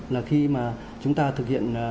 là khi mà chúng ta thực hiện